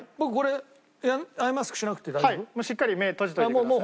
もうしっかり目閉じといてください。